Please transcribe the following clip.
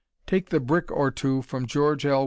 Take the "Brick or Two" from George L.